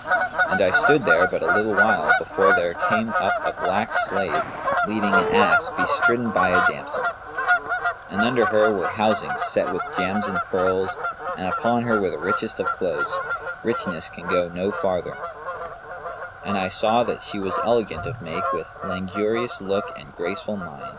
And I stood there but a little while before there came up a black slave, leading an ass bestridden by a damsel; and under her were housings set with gems and pearls and upon her were the richest of clothes, richness can go no farther; and I saw that she was elegant of make with languorous look and graceful mien.